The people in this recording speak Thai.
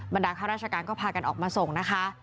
ดาข้าราชการก็พากันออกมาส่งนะคะ